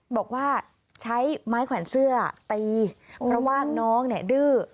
บอกว่าใช้ไม้แขวนเสื้อตีเพราะว่าน้องเนี่ยดื้อ